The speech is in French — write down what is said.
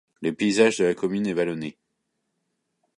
Le paysage de la commune est vallonné.